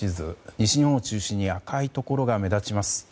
西日本を中心に赤いところが目立ちます。